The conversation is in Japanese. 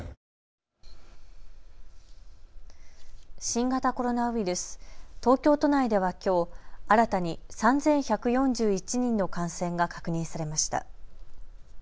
新型コロナウイルス、東京都内ではきょう新たに３１４１人の感染が確認されました。